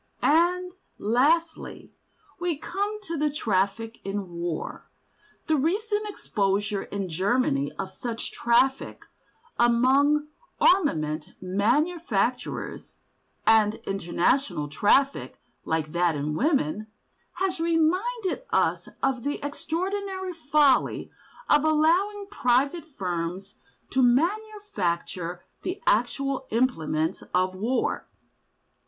And, lastly, we come to the traffic in war. The recent exposure in Germany of such traffic among armament manufacturers—an international traffic like that in women—has reminded us of the extraordinary folly of allowing private firms to manufacture the actual implements of war.